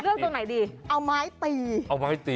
เลือกตรงไหนดิเอาไม้ตีเอาไม้ตี